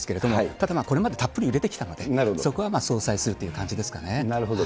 ただこれまでたっぷり売れてきたので、そこは相殺するという感じなるほど。